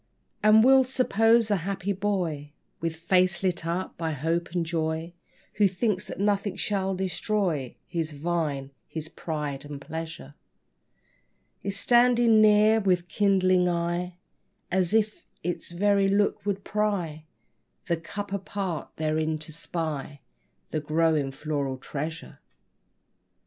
And we'll suppose a happy boy, With face lit up by hope and joy, Who thinks that nothing shall destroy His vine, his pride and pleasure, Is standing near, with kindling eye, As if its very look would pry The cup apart, therein to spy The growing floral treasure.